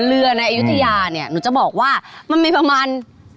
๑๕๐๐ล้านกว่าล้าน